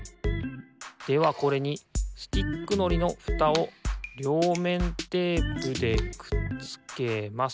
ではこれにスティックのりのフタをりょうめんテープでくっつけますと。